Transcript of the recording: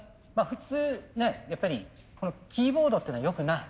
普通ねやっぱりこのキーボードっていうのはよくない。